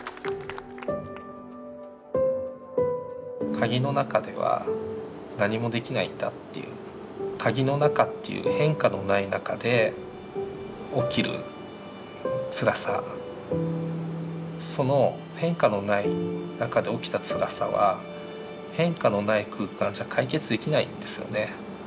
鍵の中では何もできないんだっていう鍵の中っていう変化のない中で起きるつらさその変化のない中で起きたつらさは変化のない空間じゃ解決できないんですよね。